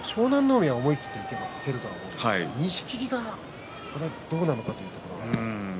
海は思い切っていけると思うんですが錦木がどうなのかというところですね。